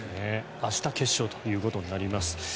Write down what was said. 明日決勝ということになります。